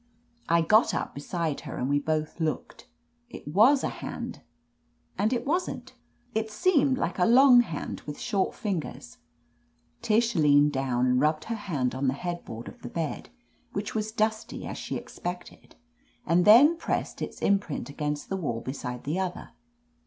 I got up beside her and we both looked. It was a hand, and it wasn't. It seemed like a long hand with short fingers. Tish leaned down and rubbed her hand on the headboard of the bed, which was dusty, as she expected, and then pressed its imprint against the wall beside the other.